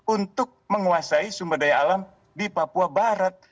untuk menguasai sumber daya alam di papua barat